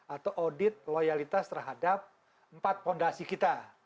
atau audit loyalitas terhadap empat fondasi kita